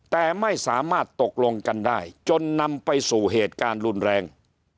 แต่ไม่สามารถตกลงกันได้จนนำไปสู่เหตุการณ์รุนแรง